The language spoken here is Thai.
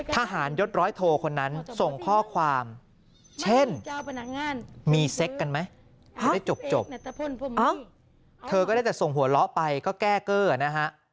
ทหารยศร้อยโทคนนั้นส่งข้อความเช่นมีเซ็กกันไหมจะได้จบเธอก็ได้แต่ส่งหัวเราะไปก็แก้เกอร์นะฮะ